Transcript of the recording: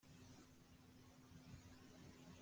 malawi muri kazakistani no muri leta